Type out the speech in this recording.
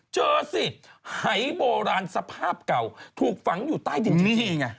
เจอสิไฮโบราณสภาพเก่าถูกฟังอยู่ใต้ดินจริง